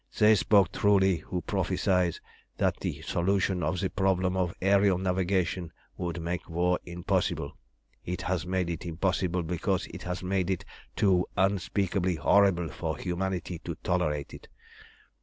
They spoke truly who prophesied that the solution of the problem of aërial navigation would make war impossible. It has made it impossible, because it has made it too unspeakably horrible for humanity to tolerate it.